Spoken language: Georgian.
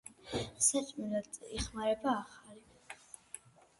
საჭმელად იხმარება ახალი.